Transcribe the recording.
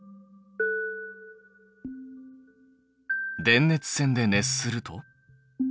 電熱線で熱すると？